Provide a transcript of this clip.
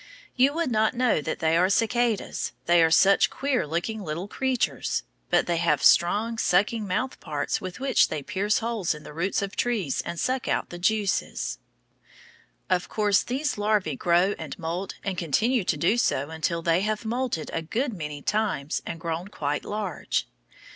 You would not know that they are cicadas, they are such queer looking little things. But they have strong, sucking mouth parts with which they pierce holes in the roots of trees and suck out the juices. Of course these larvæ grow and moult and continue to do so until they have moulted a good many times and grown quite large.